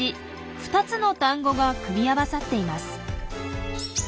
２つの単語が組み合わさっています。